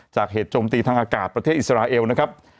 เหตุโจมตีทางอากาศประเทศอิสราเอลนะครับ